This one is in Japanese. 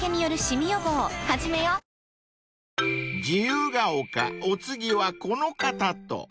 ［自由が丘お次はこの方と］